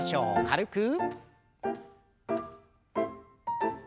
軽く。